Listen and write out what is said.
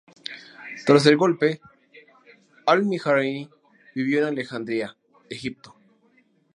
Tras el golpe, Al-Mirghani vivió en Alejandría, Egipto.